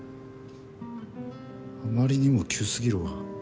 あまりにも急すぎるわ。